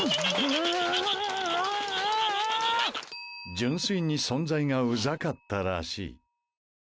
純粋に存在がうざかったらしい。